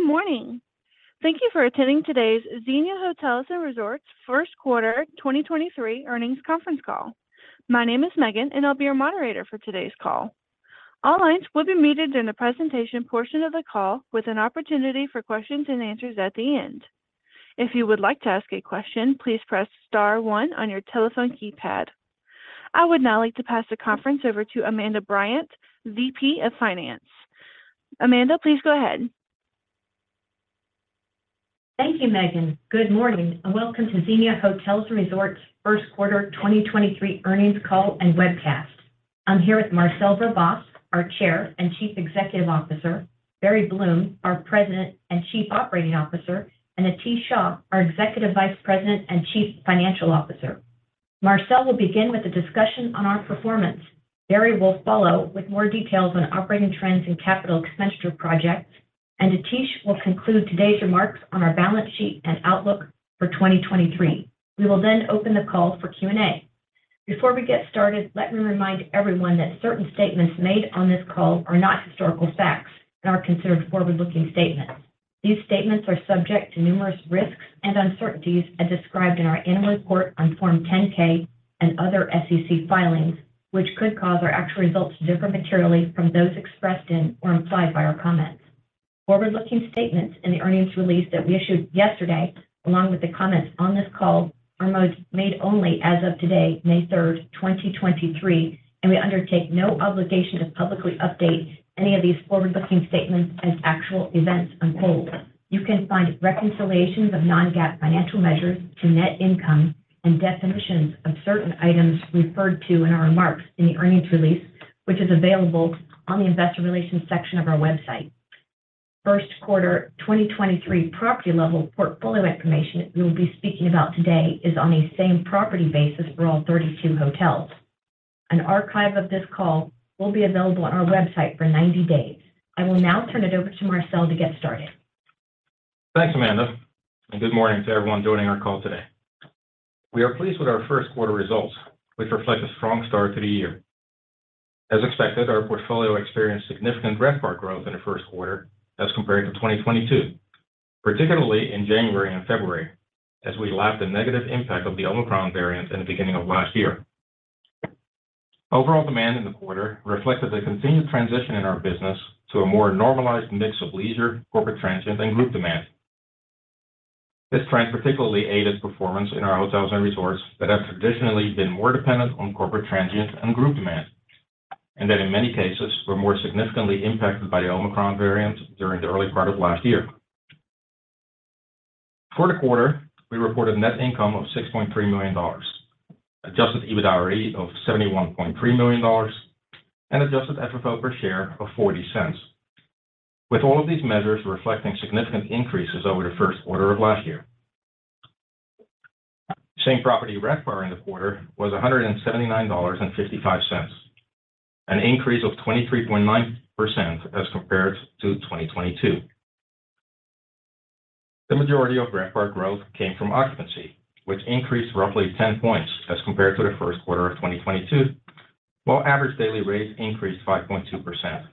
Good morning. Thank you for attending today's Xenia Hotels & Resorts first quarter 2023 earnings conference call. My name is Megan. I'll be your moderator for today's call. All lines will be muted in the presentation portion of the call with an opportunity for questions and answers at the end. If you would like to ask a question, please press star one on your telephone keypad. I would now like to pass the conference over to Amanda Bryant, VP of Finance. Amanda, please go ahead. Thank you, Megan. Good morning, welcome to Xenia Hotels & Resorts first quarter 2023 earnings call and webcast. I'm here with Marcel Verbaas, our Chair and Chief Executive Officer, Barry Bloom, our President and Chief Operating Officer, and Atish Shah, our Executive Vice President and Chief Financial Officer. Marcel will begin with a discussion on our performance. Barry will follow with more details on operating trends and capital expenditure projects, and Atish will conclude today's remarks on our balance sheet and outlook for 2023. We will then open the call for Q&A. Before we get started, let me remind everyone that certain statements made on this call are not historical facts and are considered forward-looking statements. These statements are subject to numerous risks and uncertainties as described in our annual report on Form 10-K and other SEC filings, which could cause our actual results to differ materially from those expressed in or implied by our comments. Forward-looking statements in the earnings release that we issued yesterday, along with the comments on this call, are most made only as of today, May 3, 2023, and we undertake no obligation to publicly update any of these forward-looking statements as actual events unfold. You can find reconciliations of non-GAAP financial measures to net income and definitions of certain items referred to in our remarks in the earnings release, which is available on the investor relations section of our website. First quarter 2023 property level portfolio information we'll be speaking about today is on a same property basis for all 32 hotels. An archive of this call will be available on our website for 90 days. I will now turn it over to Marcel to get started. Thanks, Amanda, and good morning to everyone joining our call today. We are pleased with our first quarter results, which reflect a strong start to the year. As expected, our portfolio experienced significant RevPAR growth in the first quarter as compared to 2022, particularly in January and February, as we lapped the negative impact of the Omicron variant in the beginning of last year. Overall demand in the quarter reflected the continued transition in our business to a more normalized mix of leisure, corporate transient, and group demand. This trend particularly aided performance in our hotels and resorts that have traditionally been more dependent on corporate transient and group demand, and that in many cases were more significantly impacted by the Omicron variant during the early part of last year. For the quarter, we reported net income of $6.3 million, adjusted EBITDAre of $71.3 million, and adjusted FFO per share of $0.40. With all of these measures reflecting significant increases over the first quarter of last year. Same property RevPAR in the quarter was $179.55, an increase of 23.9% as compared to 2022. The majority of RevPAR growth came from occupancy, which increased roughly 10 points as compared to the first quarter of 2022, while average daily rates increased 5.2%.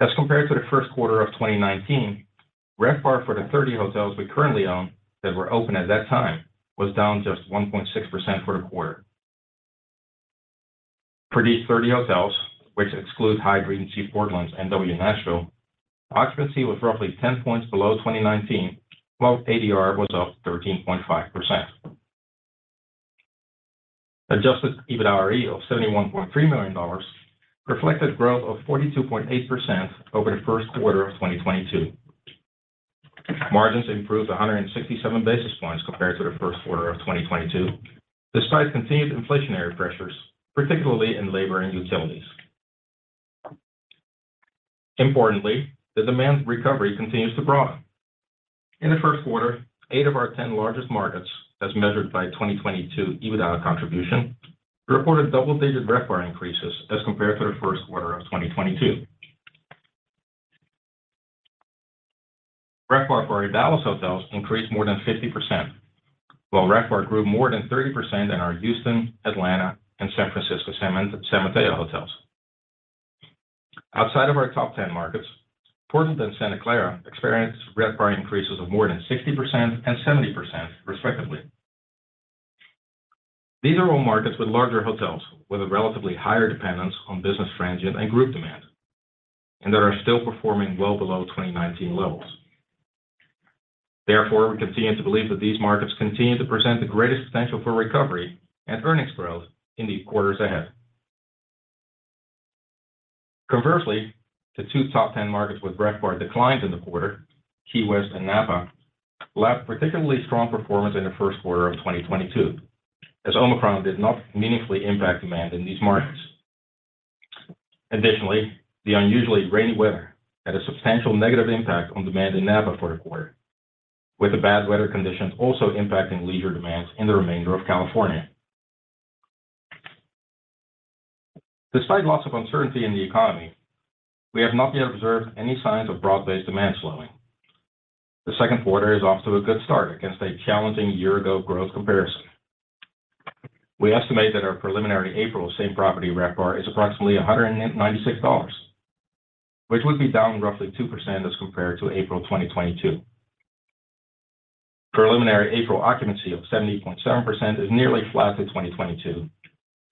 As compared to the first quarter of 2019, RevPAR for the 30 hotels we currently own that were open at that time was down just 1.6% for the quarter. For these 30 hotels, which excludes Hyatt Regency Portland and W Nashville, occupancy was roughly 10 points below 2019, while ADR was up 13.5%. Adjusted EBITDAre of $71.3 million reflected growth of 42.8% over the first quarter of 2022. Margins improved 167 basis points compared to the first quarter of 2022, despite continued inflationary pressures, particularly in labor and utilities. Importantly, the demand recovery continues to broaden. In the first quarter, eight of our 10 largest markets, as measured by 2022 EBITDA contribution, reported double-digit RevPAR increases as compared to the first quarter of 2022. RevPAR for our Dallas hotels increased more than 50%, while RevPAR grew more than 30% in our Houston, Atlanta, and San Francisco San Mateo hotels. Outside of our top 10 markets, Portland and Santa Clara experienced RevPAR increases of more than 60% and 70% respectively. These are all markets with larger hotels with a relatively higher dependence on business transient and group demand, and that are still performing well below 2019 levels. Therefore, we continue to believe that these markets continue to present the greatest potential for recovery and earnings growth in the quarters ahead. Conversely, the two top 10 markets with RevPAR declines in the quarter, Key West and Napa, lapped particularly strong performance in the first quarter of 2022, as Omicron did not meaningfully impact demand in these markets. Additionally, the unusually rainy weather had a substantial negative impact on demand in Napa for the quarter, with the bad weather conditions also impacting leisure demands in the remainder of California. Despite lots of uncertainty in the economy, we have not yet observed any signs of broad-based demand slowing. The second quarter is off to a good start against a challenging year ago growth comparison. We estimate that our preliminary April same-property RevPAR is approximately $196, which would be down roughly 2% as compared to April 2022. Preliminary April occupancy of 70.7% is nearly flat to 2022,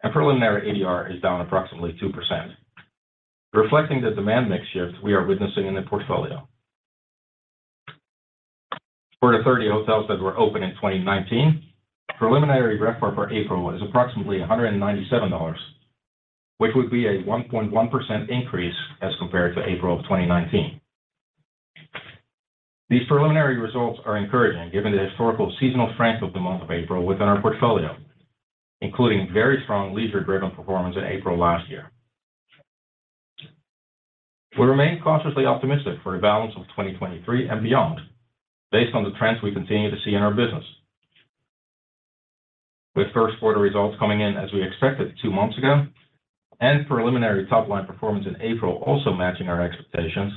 and preliminary ADR is down approximately 2%, reflecting the demand mix shift we are witnessing in the portfolio. For the 30 hotels that were open in 2019, preliminary RevPAR for April was approximately $197, which would be a 1.1% increase as compared to April of 2019. These preliminary results are encouraging given the historical seasonal strength of the month of April within our portfolio, including very strong leisure driven performance in April last year. We remain cautiously optimistic for the balance of 2023 and beyond based on the trends we continue to see in our business. With first quarter results coming in as we expected two months ago and preliminary top line performance in April also matching our expectations,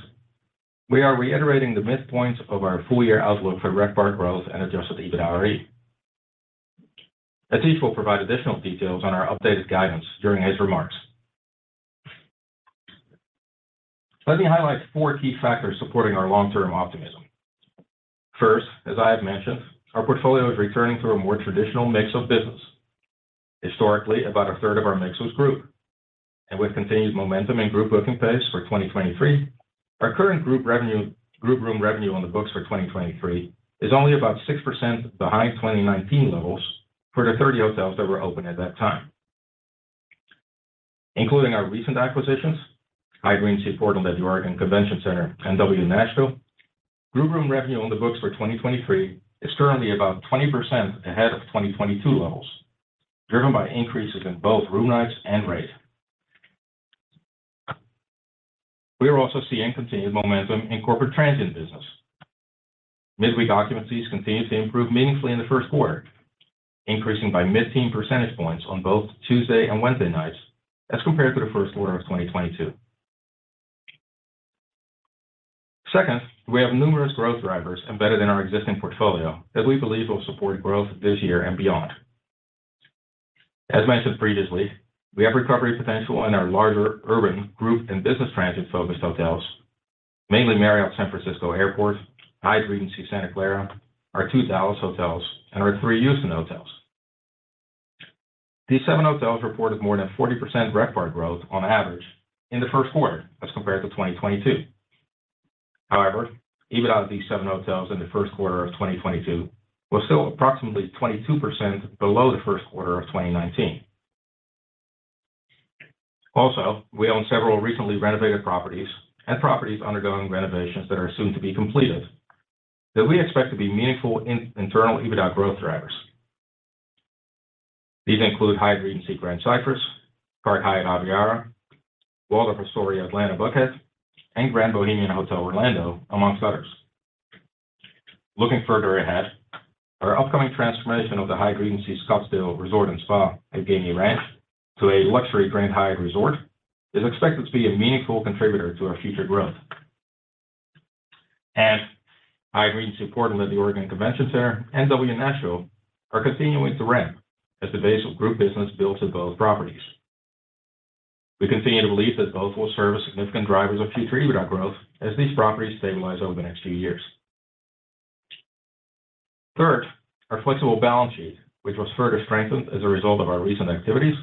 we are reiterating the midpoints of our full year outlook for RevPAR growth and adjusted EBITDAre. Atish will provide additional details on our updated guidance during his remarks. Let me highlight four key factors supporting our long-term optimism. First, as I have mentioned, our portfolio is returning to a more traditional mix of business. Historically, about a third of our mix was group. With continued momentum in group booking pace for 2023, our current group room revenue on the books for 2023 is only about 6% behind 2019 levels for the 30 hotels that were open at that time. Including our recent acquisitions, Hyatt Regency Portland at the Oregon Convention Center, and W Nashville, group room revenue on the books for 2023 is currently about 20% ahead of 2022 levels, driven by increases in both room nights and rate. We are also seeing continued momentum in corporate transient business. Midweek occupancies continued to improve meaningfully in the first quarter, increasing by mid-teen percentage points on both Tuesday and Wednesday nights as compared to the first quarter of 2022. Second, we have numerous growth drivers embedded in our existing portfolio that we believe will support growth this year and beyond. As mentioned previously, we have recovery potential in our larger urban group and business transient focused hotels, mainly Marriott San Francisco Airport, Hyatt Regency Santa Clara, our two Dallas hotels, and our three Houston hotels. These seven hotels reported more than 40% RevPAR growth on average in the first quarter as compared to 2022. EBITDA of these seven hotels in the first quarter of 2022 was still approximately 22% below the first quarter of 2019. We own several recently renovated properties and properties undergoing renovations that are soon to be completed that we expect to be meaningful in internal EBITDA growth drivers. These include Hyatt Regency Grand Cypress, Park Hyatt Aviara, Waldorf Astoria Atlanta Buckhead, and Grand Bohemian Hotel Orlando, amongst others. Looking further ahead, our upcoming transformation of the Hyatt Regency Scottsdale Resort and Spa at Gainey Ranch to a luxury Grand Hyatt Resort is expected to be a meaningful contributor to our future growth. Hyatt Regency Portland at the Oregon Convention Center and W Nashville are continuing to ramp as the base of group business built at both properties. We continue to believe that both will serve as significant drivers of future EBITDA growth as these properties stabilize over the next few years. Third, our flexible balance sheet, which was further strengthened as a result of our recent activities,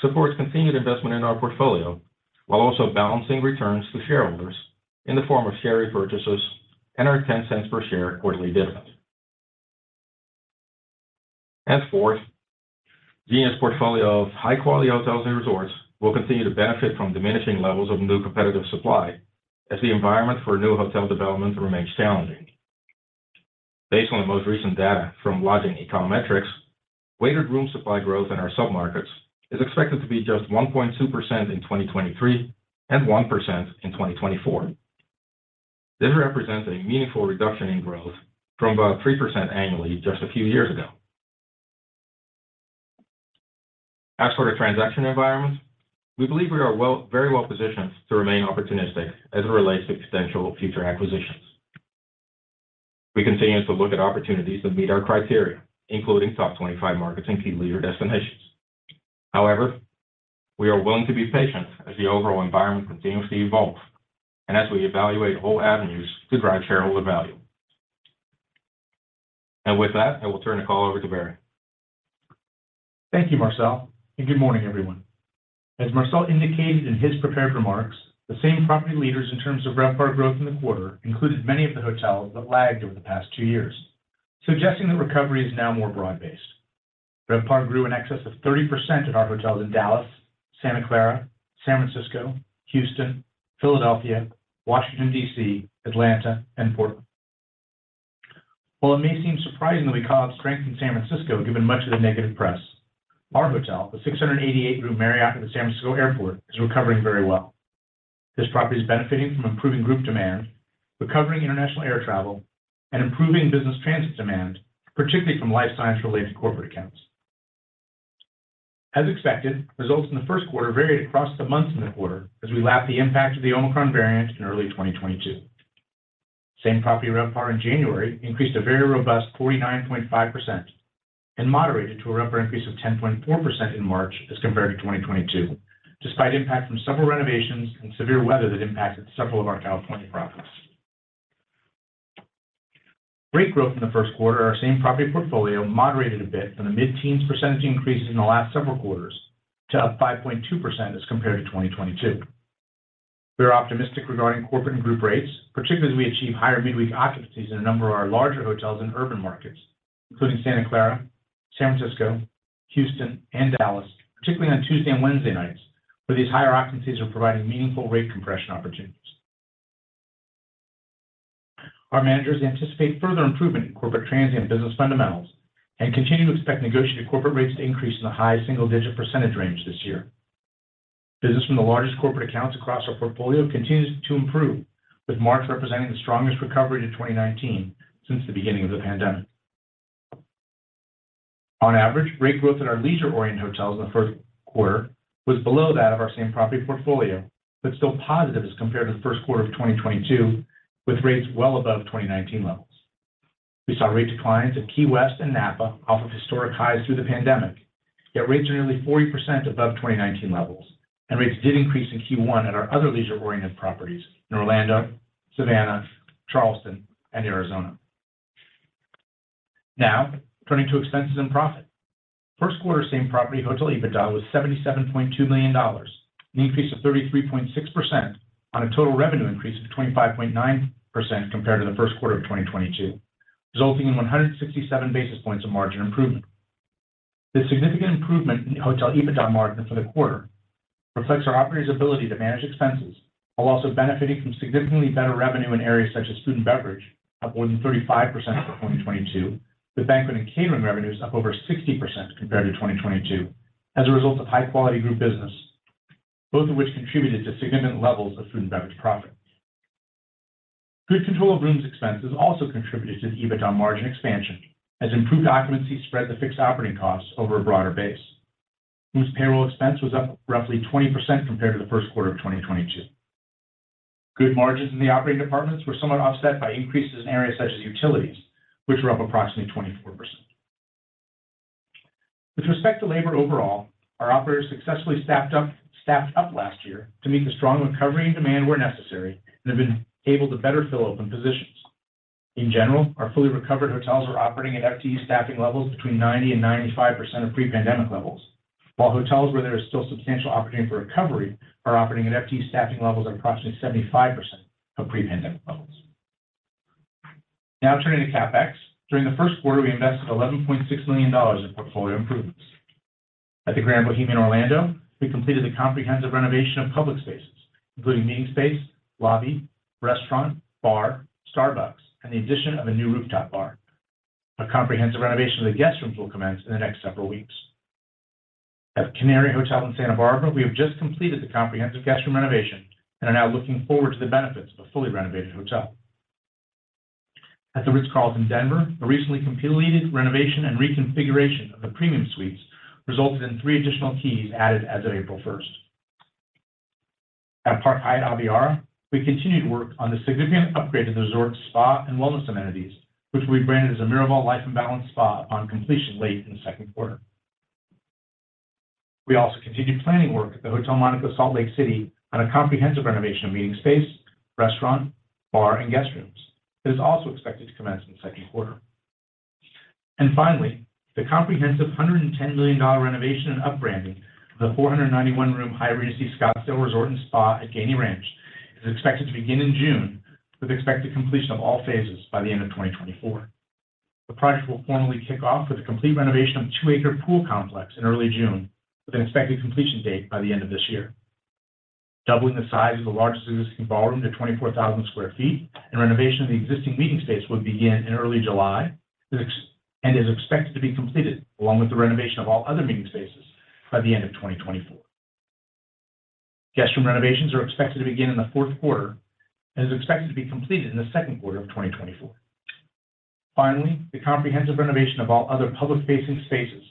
supports continued investment in our portfolio while also balancing returns to shareholders in the form of share repurchases and our $0.10 per share quarterly dividend. Fourth, Xenia's portfolio of high-quality hotels and resorts will continue to benefit from diminishing levels of new competitive supply as the environment for new hotel development remains challenging. Based on the most recent data from Lodging Econometrics, weighted room supply growth in our submarkets is expected to be just 1.2% in 2023 and 1% in 2024. This represents a meaningful reduction in growth from about 3% annually just a few years ago. As for the transaction environment, we believe we are very well positioned to remain opportunistic as it relates to potential future acquisitions. We continue to look at opportunities that meet our criteria, including top 25 markets and key leisure destinations. We are willing to be patient as the overall environment continues to evolve and as we evaluate all avenues to drive shareholder value. With that, I will turn the call over to Barry. Thank you, Marcel. Good morning, everyone. As Marcel indicated in his prepared remarks, the same property leaders in terms of RevPAR growth in the quarter included many of the hotels that lagged over the past two years, suggesting that recovery is now more broad-based. RevPAR grew in excess of 30% at our hotels in Dallas, Santa Clara, San Francisco, Houston, Philadelphia, Washington, D.C., Atlanta, and Portland. While it may seem surprising that we called strength in San Francisco, given much of the negative press, our hotel, the 688-room Marriott in the San Francisco Airport, is recovering very well. This property is benefiting from improving group demand, recovering international air travel, and improving business transit demand, particularly from life science related corporate accounts. As expected, results in the first quarter varied across the months in the quarter as we lapped the impact of the Omicron variant in early 2022. Same-property RevPAR in January increased a very robust 49.5% and moderated to a RevPAR increase of 10.4% in March as compared to 2022, despite impact from several renovations and severe weather that impacted several of our California properties. Rate growth in the first quarter, our same-property portfolio moderated a bit from the mid-teens percent increases in the last several quarters to up 5.2% as compared to 2022. We are optimistic regarding corporate and group rates, particularly as we achieve higher midweek occupancies in a number of our larger hotels in urban markets, including Santa Clara, San Francisco, Houston, and Dallas, particularly on Tuesday and Wednesday nights, where these higher occupancies are providing meaningful rate compression opportunities. Our managers anticipate further improvement in corporate transient business fundamentals and continue to expect negotiated corporate rates to increase in the high single-digit percentage range this year. Business from the largest corporate accounts across our portfolio continues to improve, with March representing the strongest recovery to 2019 since the beginning of the pandemic. On average, rate growth at our leisure-oriented hotels in the first quarter was below that of our same-property portfolio, but still positive as compared to the first quarter of 2022, with rates well above 2019 levels. We saw rate declines at Key West and Napa off of historic highs through the pandemic, yet rates are nearly 40% above 2019 levels. Rates did increase in Q1 at our other leisure-oriented properties in Orlando, Savannah, Charleston, and Arizona. Now, turning to expenses and profit. First quarter same-property hotel EBITDA was $77.2 million, an increase of 33.6% on a total revenue increase of 25.9% compared to the first quarter of 2022, resulting in 167 basis points of margin improvement. This significant improvement in hotel EBITDA margin for the quarter reflects our operators' ability to manage expenses while also benefiting from significantly better revenue in areas such as food and beverage, up more than 35% for 2022, with banquet and catering revenues up over 60% compared to 2022 as a result of high-quality group business, both of which contributed to significant levels of food and beverage profit. Good control of rooms expenses also contributed to the EBITDA margin expansion as improved occupancy spread the fixed operating costs over a broader base. Rooms payroll expense was up roughly 20% compared to the first quarter of 2022. Good margins in the operating departments were somewhat offset by increases in areas such as utilities, which were up approximately 24%. With respect to labor overall, our operators successfully staffed up last year to meet the strong recovery and demand where necessary and have been able to better fill open positions. In general, our fully recovered hotels are operating at FTE staffing levels between 90%-95% of pre-pandemic levels, while hotels where there is still substantial opportunity for recovery are operating at FTE staffing levels of approximately 75% of pre-pandemic levels. Turning to CapEx. During the first quarter, we invested $11.6 million in portfolio improvements. At the Grand Bohemian Orlando, we completed a comprehensive renovation of public spaces, including meeting space, lobby, restaurant, bar, Starbucks, and the addition of a new rooftop bar. A comprehensive renovation of the guest rooms will commence in the next several weeks. At The Canary Hotel in Santa Barbara, we have just completed the comprehensive guest room renovation and are now looking forward to the benefits of a fully renovated hotel. At The Ritz-Carlton, Denver, a recently completed renovation and reconfiguration of the premium suites resulted in three additional keys added as of April first. At Park Hyatt Aviara, we continue to work on the significant upgrade to the resort's spa and wellness amenities, which will be branded as a Miraval Life in Balance spa upon completion late in the second quarter. We also continued planning work at the Hotel Monaco, Salt Lake City on a comprehensive renovation of meeting space, restaurant, bar, and guest rooms that is also expected to commence in the second quarter. Finally, the comprehensive $110 million renovation and up-branding of the 491-room Hyatt Regency Scottsdale Resort & Spa at Gainey Ranch is expected to begin in June with expected completion of all phases by the end of 2024. The project will formally kick off with a complete renovation of the 2-acre pool complex in early June, with an expected completion date by the end of this year. Doubling the size of the largest existing ballroom to 24,000 sq ft and renovation of the existing meeting space will begin in early July, and is expected to be completed along with the renovation of all other meeting spaces by the end of 2024. Guest room renovations are expected to begin in the fourth quarter and is expected to be completed in the second quarter of 2024. The comprehensive renovation of all other public-facing spaces,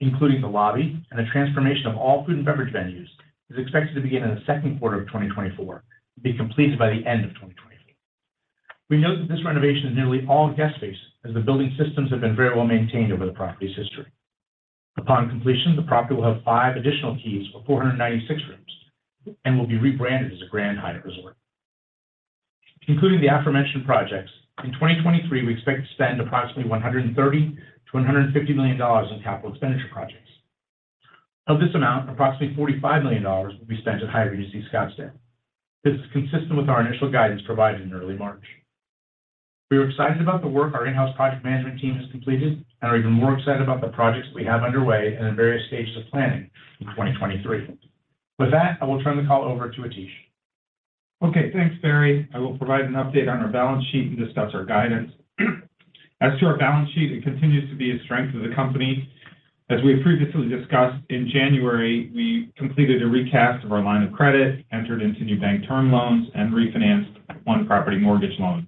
including the lobby and the transformation of all food and beverage venues, is expected to begin in the second quarter of 2024 and be completed by the end of 2024. We note that this renovation is nearly all guest face as the building systems have been very well maintained over the property's history. Upon completion, the property will have five additional keys for 496 rooms and will be rebranded as a Grand Hyatt Resort. Including the aforementioned projects, in 2023, we expect to spend approximately $130 million-$150 million on capital expenditure projects. Of this amount, approximately $45 million will be spent at Hyatt Regency Scottsdale. This is consistent with our initial guidance provided in early March. We are excited about the work our in-house project management team has completed and are even more excited about the projects we have underway and in various stages of planning in 2023. With that, I will turn the call over to Atish. Okay, thanks, Barry. I will provide an update on our balance sheet and discuss our guidance. As to our balance sheet, it continues to be a strength of the company. As we have previously discussed, in January, we completed a recast of our line of credit, entered into new bank term loans, and refinanced one property mortgage loan.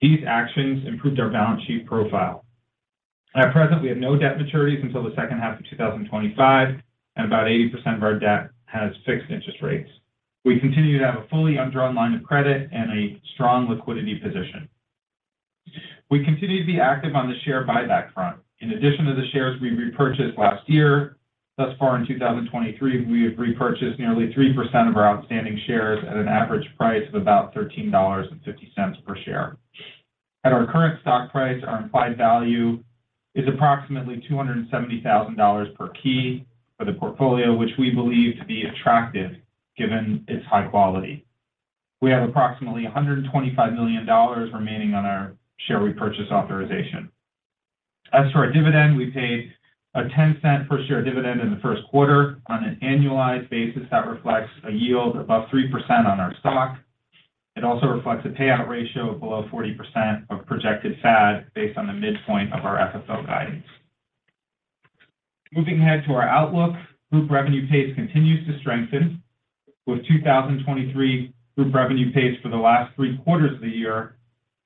These actions improved our balance sheet profile. At present, we have no debt maturities until the second half of 2025, and about 80% of our debt has fixed interest rates. We continue to have a fully undrawn line of credit and a strong liquidity position. We continue to be active on the share buyback front. In addition to the shares we repurchased last year, thus far in 2023, we have repurchased nearly 3% of our outstanding shares at an average price of about $13.50 per share. At our current stock price, our implied value is approximately $270,000 per key for the portfolio, which we believe to be attractive given its high quality. We have approximately $125 million remaining on our share repurchase authorization. As for our dividend, we paid a $0.10 per share dividend in the first quarter. On an annualized basis, that reflects a yield above 3% on our stock. It also reflects a payout ratio of below 40% of projected FAD based on the midpoint of our FFO guidance. Moving ahead to our outlook, group revenue pace continues to strengthen, with 2023 group revenue pace for the last three quarters of the year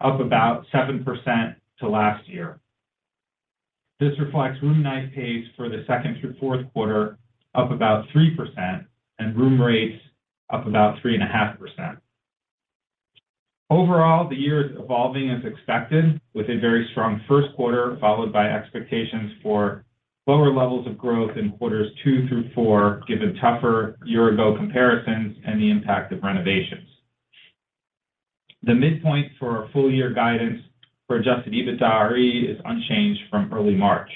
up about 7% to last year. This reflects room night pace for the second through fourth quarter up about 3% and room rates up about 3.5%. Overall, the year is evolving as expected with a very strong first quarter, followed by expectations for lower levels of growth in quarters two through four, given tougher year-ago comparisons and the impact of renovations. The midpoint for our full year guidance for adjusted EBITDAre is unchanged from early March.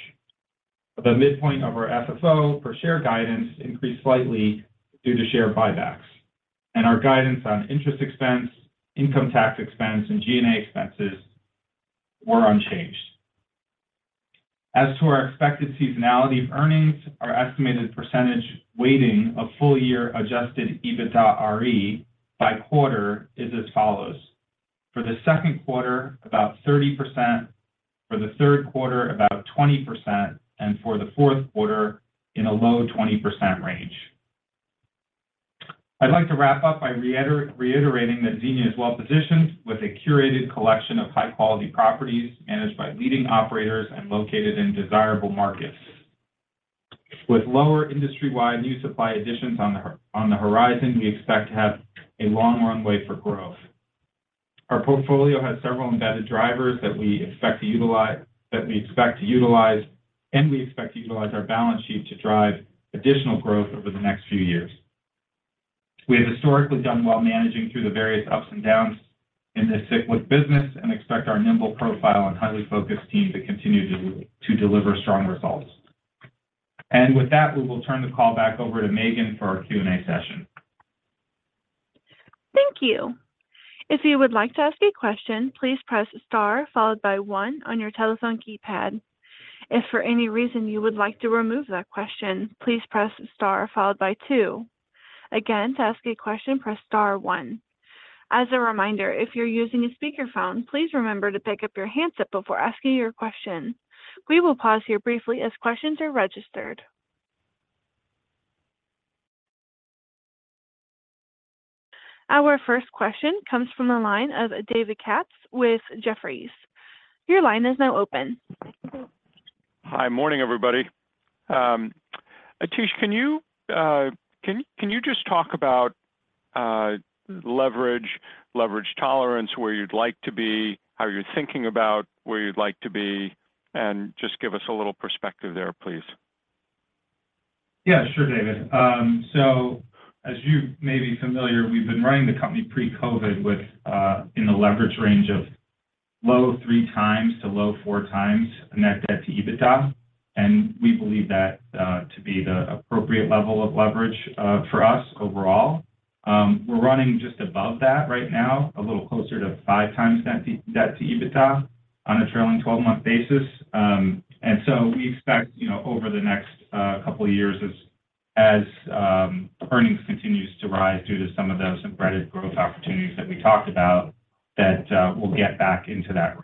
The midpoint of our FFO per share guidance increased slightly due to share buybacks. Our guidance on interest expense, income tax expense, and G&A expenses were unchanged. As to our expected seasonality of earnings, our estimated percentage weighting of full year adjusted EBITDAre by quarter is as follows. For the second quarter, about 30%, for the third quarter, about 20%, and for the fourth quarter, in a low 20% range. I'd like to wrap up by reiterating that Xenia is well-positioned with a curated collection of high-quality properties managed by leading operators and located in desirable markets. With lower industry-wide new supply additions on the horizon, we expect to have a long runway for growth. Our portfolio has several embedded drivers that we expect to utilize, and we expect to utilize our balance sheet to drive additional growth over the next few years. We have historically done well managing through the various ups and downs in this cyclic business and expect our nimble profile and highly focused team to continue to deliver strong results. With that, we will turn the call back over to Megan for our Q&A session. Thank you. If you would like to ask a question, please press Star followed by one on your telephone keypad. If for any reason you would like to remove that question, please press Star followed by two. Again, to ask a question, press Star one. As a reminder, if you're using a speakerphone, please remember to pick up your handset before asking your question. We will pause here briefly as questions are registered. Our first question comes from the line of David Katz with Jefferies. Your line is now open. Hi. morning, everybody. Atish, can you just talk about leverage tolerance, where you'd like to be, how you're thinking about where you'd like to be, and just give us a little perspective there, please? Yeah, sure, David. So as you may be familiar, we've been running the company pre-COVID with in the leverage range of low three times to low four times net debt to EBITDA, and we believe that to be the appropriate level of leverage for us overall. We're running just above that right now, a little closer to five times net debt to EBITDA on a trailing 12-month basis. We expect, you know, over the next couple of years as earnings continues to rise due to some of those embedded growth opportunities that we talked about, that we'll get back into that range.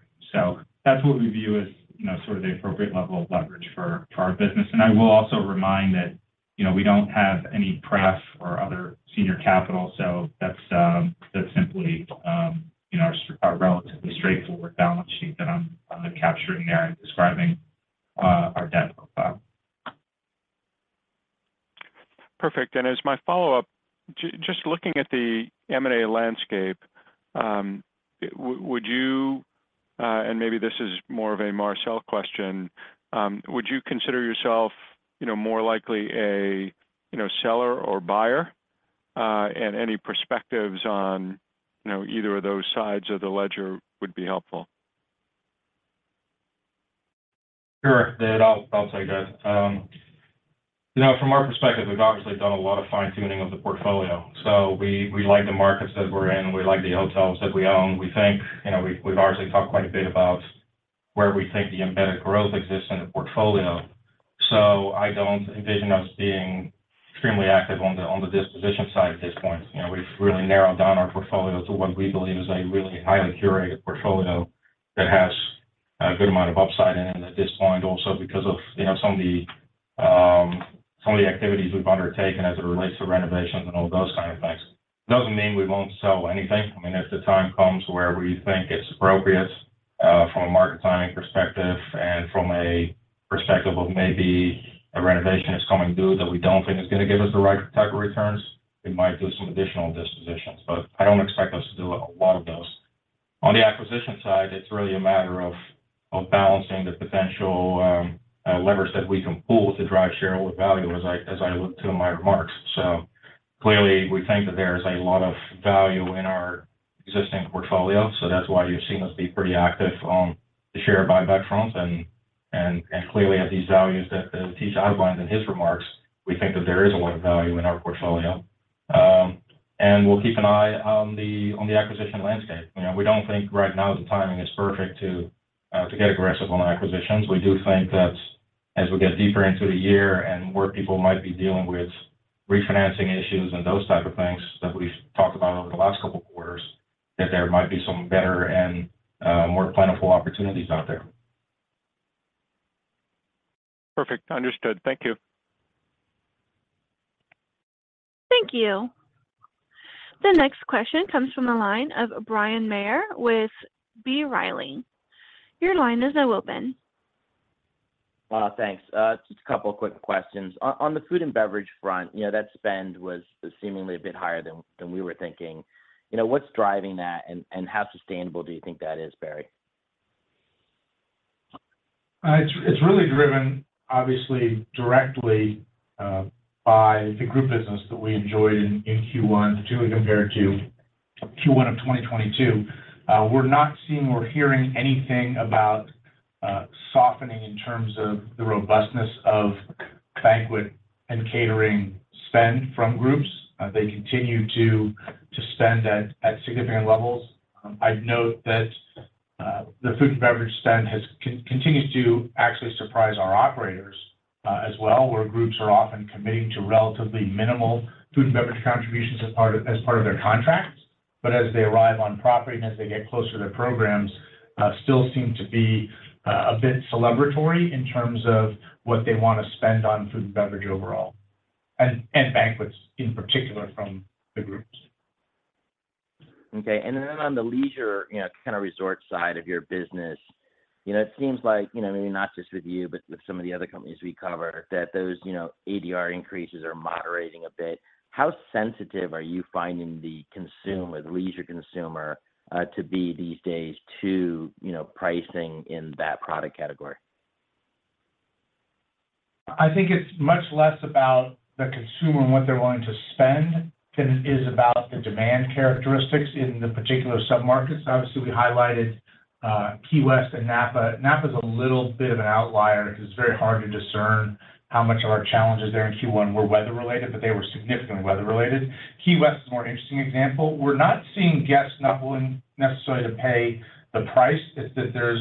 That's what we view as, you know, sort of the appropriate level of leverage for our business. I will also remind that, you know, we don't have any pref or other senior capital, so that's simply, you know, our relatively straightforward balance sheet that I'm capturing there and describing our debt profile. Perfect. As my follow-up, just looking at the M&A landscape, would you, and maybe this is more of a Marcel question, would you consider yourself, you know, more likely a, you know, seller or buyer? Any perspectives on, you know, either of those sides of the ledger would be helpful. Sure, David. I'll take that. You know, from our perspective, we've obviously done a lot of fine-tuning of the portfolio. We, we like the markets that we're in. We like the hotels that we own. We think, you know, we've obviously talked quite a bit about where we think the embedded growth exists in the portfolio. I don't envision us being extremely active on the, on the disposition side at this point. You know, we've really narrowed down our portfolio to what we believe is a really highly curated portfolio that has a good amount of upside in it at this point also because of, you know, some of the some of the activities we've undertaken as it relates to renovations and all those kind of things. It doesn't mean we won't sell anything. I mean, if the time comes where we think it's appropriate, from a market timing perspective and from a perspective of maybe a renovation is coming due that we don't think is going to give us the right type of returns, we might do some additional dispositions. But I don't expect us to do a lot of those. On the acquisition side, it's really a matter of balancing the potential levers that we can pull to drive shareholder value as I looked to in my remarks. Clearly, we think that there is a lot of value in our existing portfolio, so that's why you've seen us be pretty active on the share buyback front. clearly, as he's values that, Atish outlined in his remarks, we think that there is a lot of value in our portfolio. We'll keep an eye on the acquisition landscape. You know, we don't think right now the timing is perfect to get aggressive on acquisitions. We do think that as we get deeper into the year and where people might be dealing with refinancing issues and those type of things that we've talked about over the last couple of quarters, that there might be some better and more plentiful opportunities out there. Perfect. Understood. Thank you. Thank you. The next question comes from the line of Bryan Maher with B. Riley. Your line is now open. Thanks. Just a couple of quick questions. On the food and beverage front, you know, that spend was seemingly a bit higher than we were thinking. You know, what's driving that? How sustainable do you think that is, Barry? It's really driven, obviously, directly by the group business that we enjoyed in Q1, particularly compared to Q1 of 2022. We're not seeing or hearing anything about softening in terms of the robustness of banquet and catering spend from groups. They continue to spend at significant levels. I'd note that the food and beverage spend has continued to actually surprise our operators as well, where groups are often committing to relatively minimal food and beverage contributions as part of their contracts. As they arrive on property and as they get closer to their programs, still seem to be a bit celebratory in terms of what they wanna spend on food and beverage overall, and banquets in particular from the groups. Okay. On the leisure, you know, kind of resort side of your business, you know, it seems like, you know, maybe not just with you, but with some of the other companies we cover, that those, you know, ADR increases are moderating a bit. How sensitive are you finding the consumer, the leisure consumer, to be these days to, you know, pricing in that product category? I think it's much less about the consumer and what they're willing to spend than it is about the demand characteristics in the particular submarkets. Obviously, we highlighted Key West and Napa. Napa is a little bit of an outlier because it's very hard to discern how much of our challenges there in Q1 were weather-related, but they were significantly weather-related. Key West is a more interesting example. We're not seeing guests not willing necessarily to pay the price. It's that there's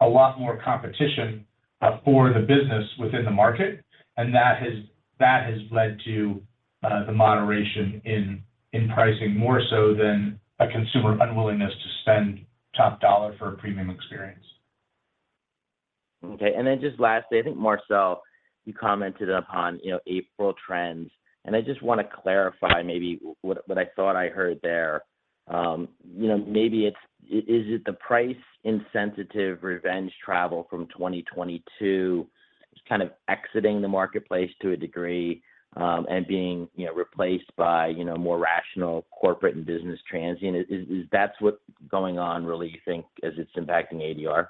a lot more competition for the business within the market, and that has led to the moderation in pricing more so than a consumer unwillingness to spend top dollar for a premium experience. Okay. Then just lastly, I think Marcel, you commented upon, you know, April trends. I just wanna clarify maybe what I thought I heard there. You know, maybe is it the price insensitive revenge travel from 2022 just kind of exiting the marketplace to a degree, and being, you know, replaced by, you know, more rational corporate and business transient? Is that's what's going on, really, you think as it's impacting ADR?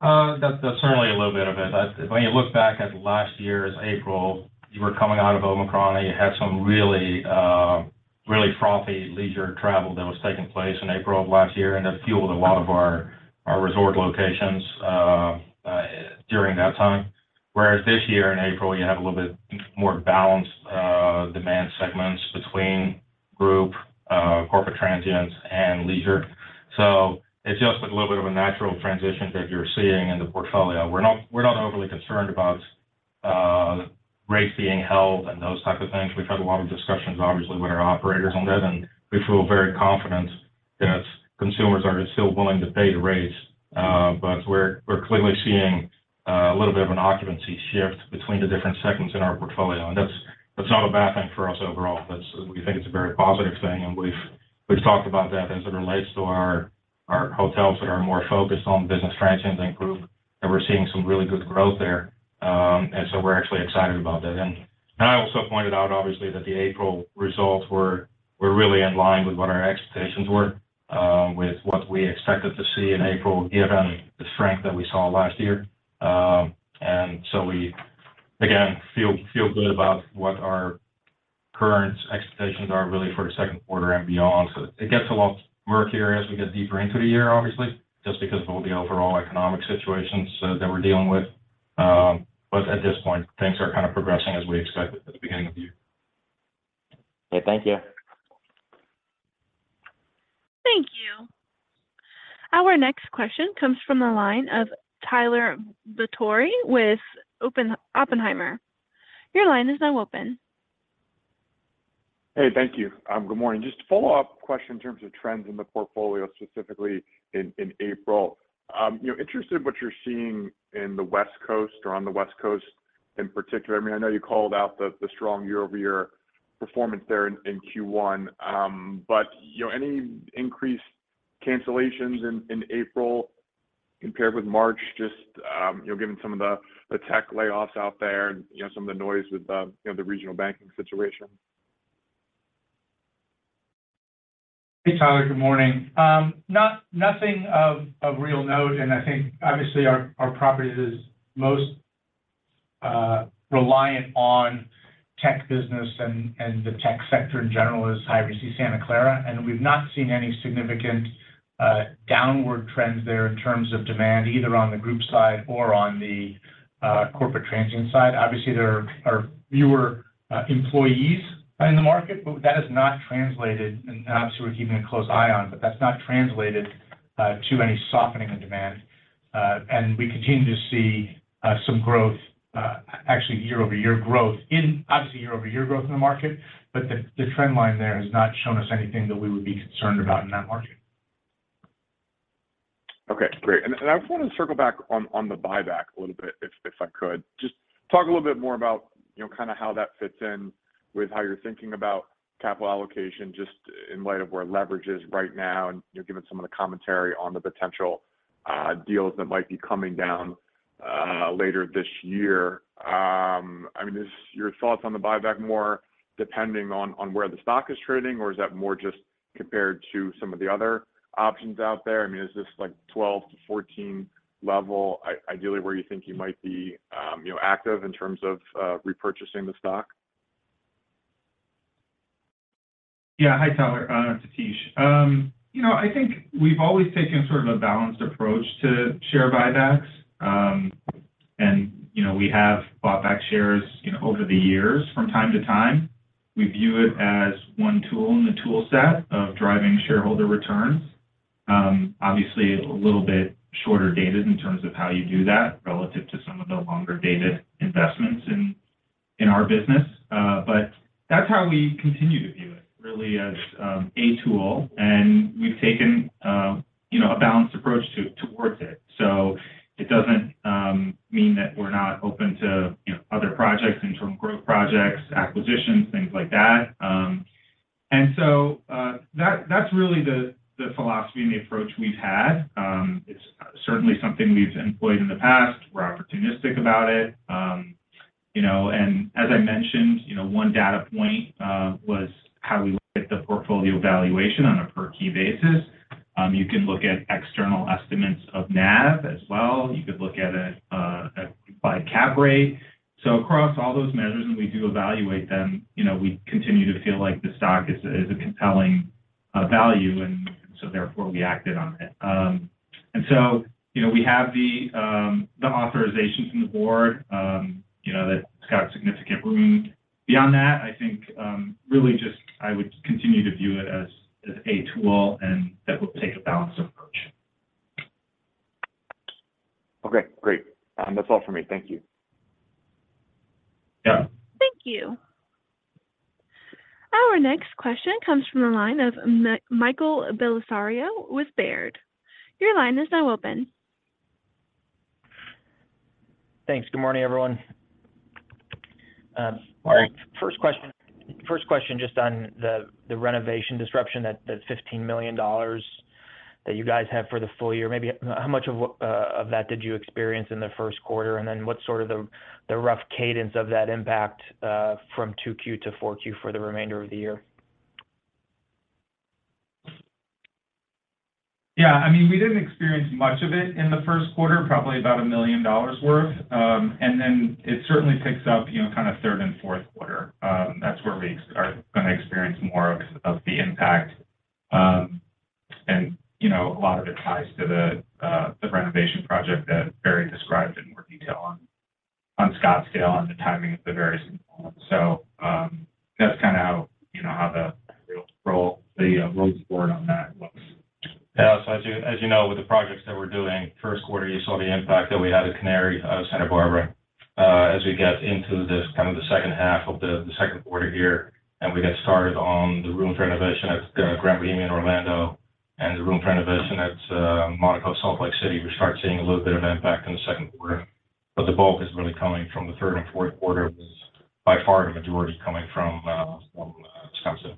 That's certainly a little bit of it. When you look back at last year's April, you were coming out of Omicron, and you had some really, really frothy leisure travel that was taking place in April of last year, and that fueled a lot of our resort locations during that time. Whereas this year in April, you have a little bit more balanced demand segments between group, corporate transients, and leisure. It's just a little bit of a natural transition that you're seeing in the portfolio. We're not overly concerned about rates being held and those type of things. We've had a lot of discussions, obviously, with our operators on that, and we feel very confident that consumers are still willing to pay the rates. But we're clearly seeing a little bit of an occupancy shift between the different segments in our portfolio. That's not a bad thing for us overall. We think it's a very positive thing, and we've talked about that as it relates to our hotels that are more focused on business transients and group. We're seeing some really good growth there. So we're actually excited about that. I also pointed out, obviously, that the April results were really in line with what our expectations were, with what we expected to see in April given the strength that we saw last year. We, again, feel good about what our current expectations are really for the second quarter and beyond. It gets a lot murkier as we get deeper into the year, obviously, just because of all the overall economic situations that we're dealing with. At this point, things are kind of progressing as we expected at the beginning of the year. Okay. Thank you. Thank you. Our next question comes from the line of Tyler Batory with Oppenheimer. Your line is now open. Thank you. Good morning. Just a follow-up question in terms of trends in the portfolio, specifically in April. You know, interested in what you're seeing in the West Coast or on the West Coast in particular. I mean, I know you called out the strong year-over-year performance there in Q1. You know, any increased cancellations in April compared with March just, you know, given some of the tech layoffs out there and, you know, some of the noise with the regional banking situation? Hey, Tyler, good morning. Nothing of real note. I think obviously our property is most reliant on tech business and the tech sector in general is Hyatt Regency Santa Clara, and we've not seen any significant downward trends there in terms of demand, either on the group side or on the corporate transient side. Obviously, there are fewer employees out in the market, but that has not translated, and obviously we're keeping a close eye on, but that's not translated to any softening of demand. We continue to see some growth, actually year-over-year growth in obviously year-over-year growth in the market, but the trend line there has not shown us anything that we would be concerned about in that market. Okay, great. I just wanna circle back on the buyback a little bit if I could. Just talk a little bit more about, you know, kinda how that fits in with how you're thinking about capital allocation, just in light of where leverage is right now and, you know, given some of the commentary on the potential deals that might be coming down later this year. I mean, is your thoughts on the buyback more depending on where the stock is trading, or is that more just compared to some of the other options out there? I mean, is this like 12-14 level ideally where you think you might be, you know, active in terms of repurchasing the stock? Yeah. Hi, Tyler. No, it's Atish. You know, I think we've always taken sort of a balanced approach to share buybacks. You know, we have bought back shares, you know, over the years from time to time. We view it as one tool in the tool set of driving shareholder returns. Obviously, a little bit shorter dated in terms of how you do that relative to some of the longer dated investments in our business. That's how we continue to view it, really as, a tool, and we've taken, you know, a balanced approach towards it. So it doesn't mean that we're not open to, you know, other projects, interim growth projects, acquisitions, things like that. That's really the philosophy and the approach we've had. It's certainly something we've employed in the past. We're opportunistic about it. You know, and as I mentioned, you know, one data point was how we looked at the portfolio valuation on a per key basis. You can look at external estimates of NAV as well. You could look at it by cap rate. Across all those measures, and we do evaluate them, you know, we continue to feel like the stock is a compelling value and so therefore we acted on it. You know, we have the authorization from the board, you know, that it's got significant room. Beyond that, I think, really just I would continue to view it as a tool, and that we'll take a balanced approach. Okay, great. That's all for me. Thank you. Yeah. Thank you. Our next question comes from the line of Michael Bellisario with Baird. Your line is now open. Thanks. Good morning, everyone. Morning. First question just on the renovation disruption, that $15 million that you guys have for the full year. Maybe how much of that did you experience in the first quarter? What's sort of the rough cadence of that impact from 2Q to 4Q for the remainder of the year? Yeah, I mean, we didn't experience much of it in the first quarter, probably about $1 million worth. Then it certainly picks up, you know, kind of third and fourth quarter. That's where we are gonna experience more of the impact. You know, a lot of it ties to the renovation project that Barry described in more detail on Scottsdale and the timing of the various components. That's kinda how, you know, how the real road forward on that looks. Yeah. As you know, with the projects that we're doing, first quarter you saw the impact that we had at Canary, Santa Barbara. As we get into this kind of the second half of the second quarter here and we get started on the room renovation at Grand Bohemian Orlando and the room renovation at Monaco Salt Lake City, we start seeing a little bit of impact in the second quarter. The bulk is really coming from the third and fourth quarter, which is by far the majority coming from Wisconsin. Got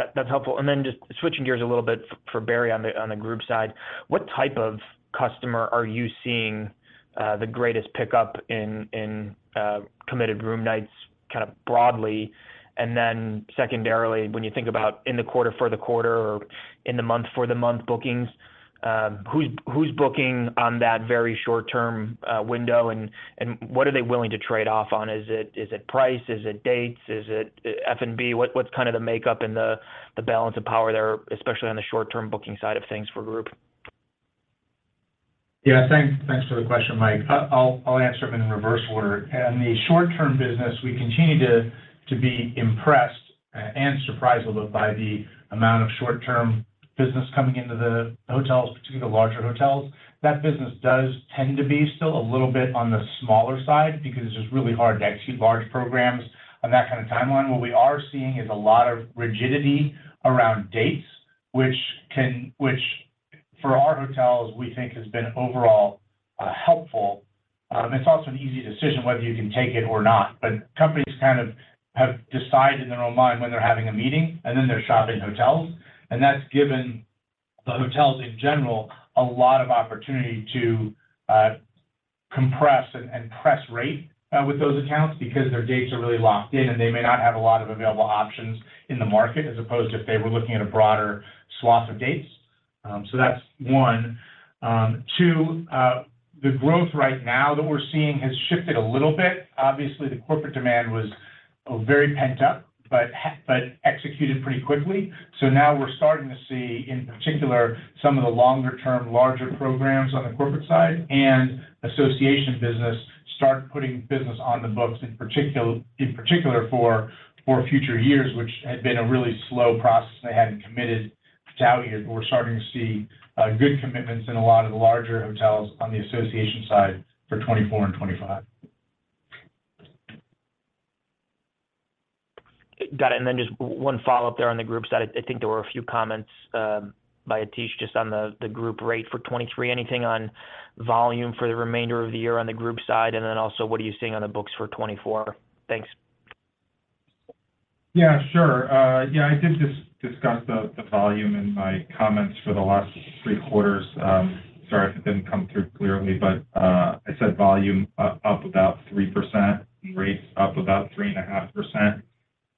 it. That's helpful. Just switching gears a little bit for Barry on the group side. What type of customer are you seeing, the greatest pickup in committed room nights kind of broadly? Secondarily, when you think about in the quarter for the quarter or in the month for the month bookings, who's booking on that very short term window and what are they willing to trade off on? Is it price? Is it dates? Is it F&B? What, what's kind of the makeup and the balance of power there, especially on the short term booking side of things for group? Thanks for the question, Mike. I'll answer it in reverse order. In the short term business, we continue to be impressed and surprised a little by the amount of short-term business coming into the hotels, particularly larger hotels. That business does tend to be still a little bit on the smaller side because it's just really hard to execute large programs on that kind of timeline. What we are seeing is a lot of rigidity around dates which for our hotels, we think has been overall helpful. It's also an easy decision whether you can take it or not. Companies kind of have decided in their own mind when they're having a meeting, and then they're shopping hotels, and that's given the hotels in general a lot of opportunity to compress and press rate with those accounts because their dates are really locked in, and they may not have a lot of available options in the market as opposed to if they were looking at a broader swath of dates. That's one. Two, the growth right now that we're seeing has shifted a little bit. Obviously, the corporate demand was very pent-up but executed pretty quickly. Now we're starting to see, in particular, some of the longer-term, larger programs on the corporate side and association business start putting business on the books, in particular for future years, which had been a really slow process and they hadn't committed to out years. We're starting to see good commitments in a lot of the larger hotels on the association side for 2024 and 2025. Got it, just one follow-up there on the group side. I think there were a few comments by Atish just on the group rate for 2023. Anything on volume for the remainder of the year on the group side? Also, what are you seeing on the books for 2024? Thanks. Yeah, sure. Yeah, I did just discuss the volume in my comments for the last three quarters. Sorry if it didn't come through clearly, but I said volume up about 3% and rates up about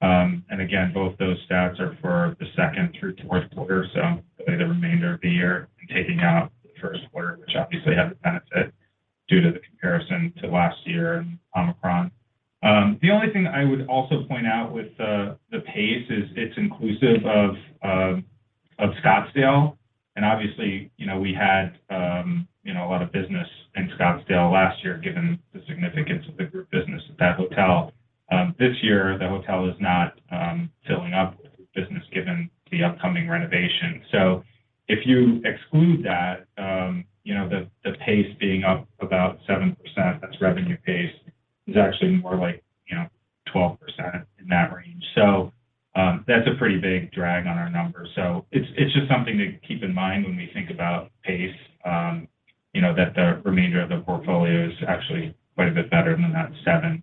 3.5%. Both those stats are for the second through fourth quarter, so probably the remainder of the year and taking out the first quarter, which obviously had the benefit due to the comparison to last year and Omicron. The only thing I would also point out with the pace is it's inclusive of Scottsdale. Obviously, you know, we had, you know, a lot of business in Scottsdale last year, given the significance of the group business at that hotel. This year the hotel is not filling up with business given the upcoming renovation. If you exclude that, you know, the pace being up about 7%, that's revenue pace, is actually more like, you know, 12%, in that range. That's a pretty big drag on our numbers. It's just something to keep in mind when we think about pace, you know, that the remainder of the portfolio is actually quite a bit better than that 7%.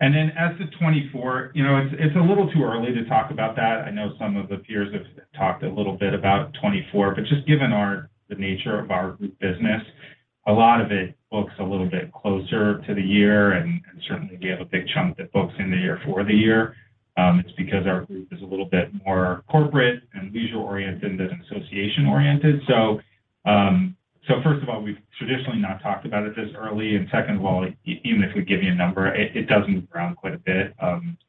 As to 2024, you know, it's a little too early to talk about that. I know some of the peers have talked a little bit about 2024, but just given the nature of our group business, a lot of it books a little bit closer to the year and certainly we have a big chunk that books in the year for the year. It's because our group is a little bit more corporate and leisure-oriented than association-oriented. First of all, we've traditionally not talked about it this early. Second of all, even if we give you a number, it does move around quite a bit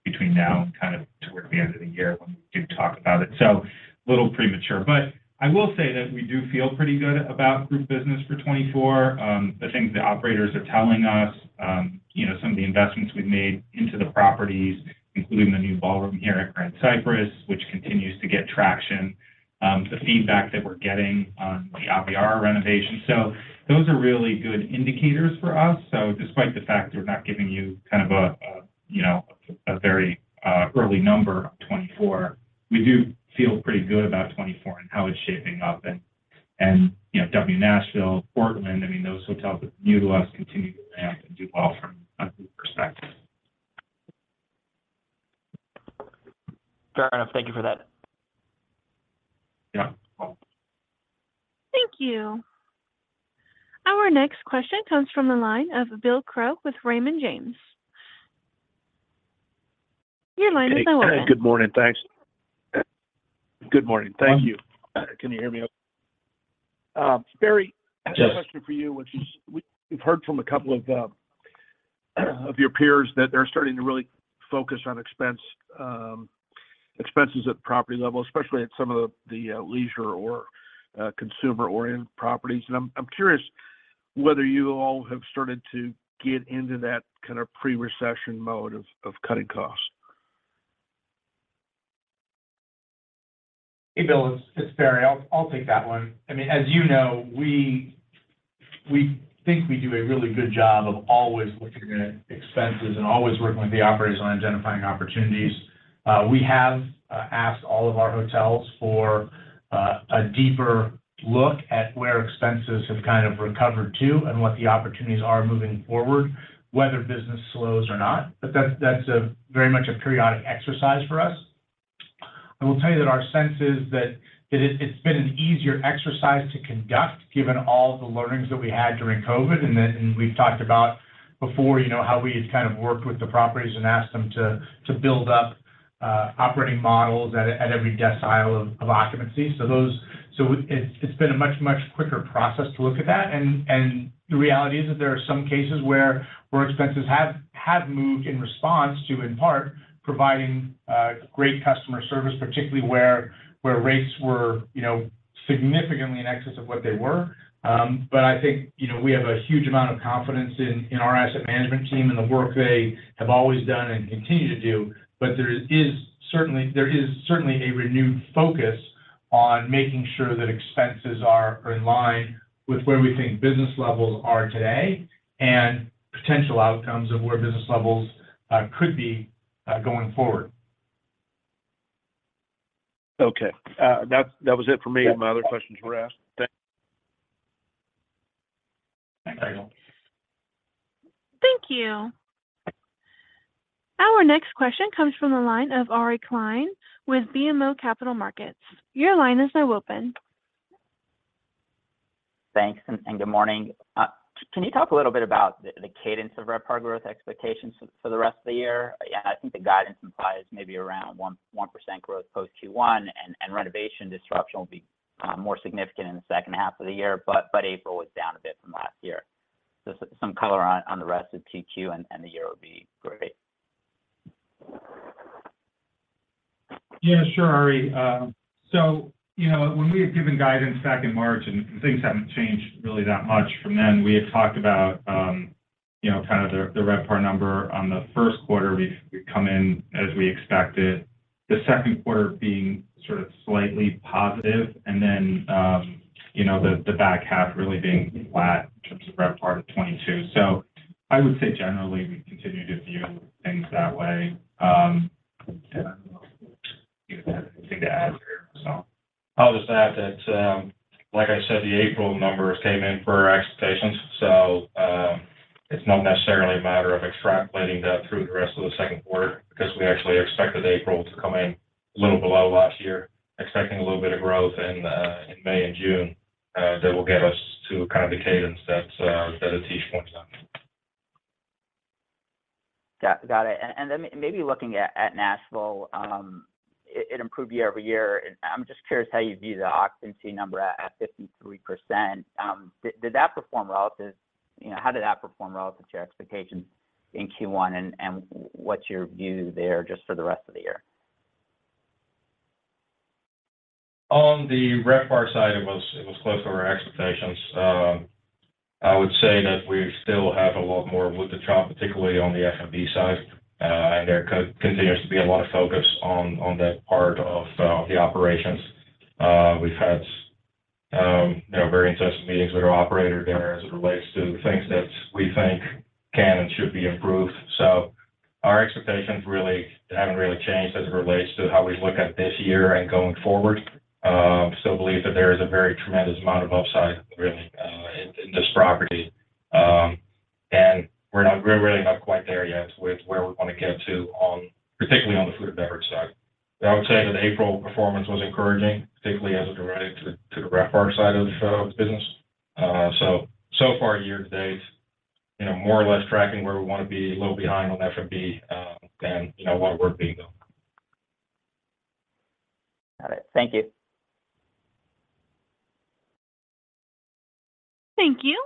between now and kind of toward the end of the year when we do talk about it. A little premature. I will say that we do feel pretty good about group business for 2024. The things the operators are telling us, you know, some of the investments we've made into the properties, including the new ballroom here at Grand Cypress, which continues to get traction, the feedback that we're getting on the AVR renovation. Those are really good indicators for us. Despite the fact that we're not giving you kind of a, you know, a very early number on 2024, we do feel pretty good about 2024 and how it's shaping up. You know, W Nashville, Portland, I mean, those hotels that are new to us continue to ramp and do well from a group perspective. Fair enough. Thank you for that. Yeah. Thank you. Our next question comes from the line of Bill Crow with Raymond James. Your line is now open. Good morning. Thanks. Good morning. Thank you. Can you hear me okay? Barry. Yes. I have a question for you, which is we've heard from a couple of your peers that they're starting to really focus on expense, expenses at the property level, especially at some of the leisure or consumer-oriented properties. I'm curious whether you all have started to get into that kind of pre-recession mode of cutting costs? Hey, Bill, it's Barry. I'll take that one. I mean, as you know, we think we do a really good job of always looking at expenses and always working with the operators on identifying opportunities. We have asked all of our hotels for a deeper look at where expenses have kind of recovered to and what the opportunities are moving forward, whether business slows or not. That's, that's a very much a periodic exercise for us. I will tell you that our sense is that it's been an easier exercise to conduct given all the learnings that we had during COVID and we've talked about before, you know, how we had kind of worked with the properties and asked them to build up operating models at every decile of occupancy. It's been a much quicker process to look at that. The reality is that there are some cases where expenses have moved in response to, in part, providing great customer service, particularly where rates were, you know, significantly in excess of what they were. I think, you know, we have a huge amount of confidence in our asset management team and the work they have always done and continue to do. There is certainly a renewed focus on making sure that expenses are in line with where we think business levels are today and potential outcomes of where business levels could be going forward. That was it for me. My other questions were asked. Thanks. Thanks. Thank you. Our next question comes from the line of Ari Klein with BMO Capital Markets. Your line is now open. Thanks and good morning. Can you talk a little bit about the cadence of RevPAR growth expectations for the rest of the year? Yeah, I think the guidance implies maybe around 1% growth post Q1 and renovation disruption will be more significant in the second half of the year, but April was down a bit from last year. Some color on the rest of 2Q and the year would be great. Yeah, sure, Ari. You know, when we had given guidance back in March and things haven't changed really that much from then, we had talked about, you know, kind of the RevPAR number on the first quarter, we've come in as we expected. The second quarter being sort of slightly positive and then, you know, the back half really being flat in terms of RevPAR of 2022. I would say generally, we continue to view things that way. I don't know if you have anything to add here. I'll just add that, like I said, the April numbers came in per our expectations, so, it's not necessarily a matter of extrapolating that through the rest of the second quarter because we actually expected April to come in a little below last year. Expecting a little bit of growth in May and June, that will get us to kind of the cadence that Atish pointed out. Got it. Then maybe looking at Nashville, it improved year-over-year. I'm just curious how you view the occupancy number at 53%. You know, how did that perform relative to your expectations in Q1 and what's your view there just for the rest of the year? On the RevPAR side, it was close to our expectations. I would say that we still have a lot more wood to chop, particularly on the F&B side. There continues to be a lot of focus on that part of the operations. We've had, you know, very intense meetings with our operator there as it relates to things that we think can and should be improved. Our expectations really haven't really changed as it relates to how we look at this year and going forward. Still believe that there is a very tremendous amount of upside really in this property. We're really not quite there yet with where we wanna get to on, particularly on the food and beverage side. I would say that April performance was encouraging, particularly as it related to the RevPAR side of the business. So far year to date, you know, more or less tracking where we wanna be, a little behind on F&B, than, you know, what we're being though. Got it. Thank you. Thank you.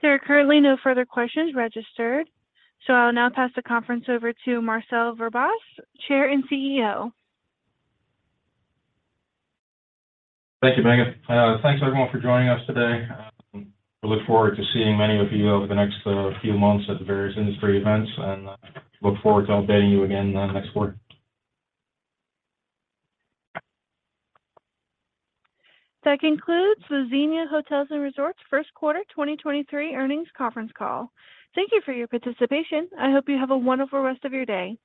There are currently no further questions registered, so I'll now pass the conference over to Marcel Verbaas, Chair and CEO. Thank you, Megan. Thanks everyone for joining us today. We look forward to seeing many of you over the next few months at the various industry events, and look forward to updating you again next quarter. That concludes the Xenia Hotels & Resorts first quarter 2023 earnings conference call. Thank you for your participation. I hope you have a wonderful rest of your day.